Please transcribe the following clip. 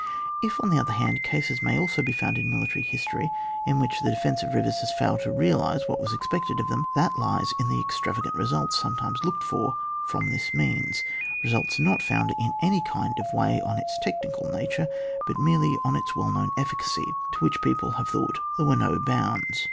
— If, on the other hand, cases may also be found in military history, in which the defence of rivers has failed to realise what was expected of them, that lies in the extravagant results sometimes looked for from this means ; results not founded in any kind of way on its tactical nature, but merely on its well known efficacy, to which people have thought there were no bounds.